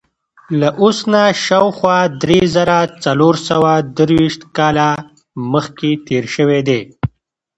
له اوس نه شاوخوا درې زره څلور سوه درویشت کاله مخکې تېر شوی دی.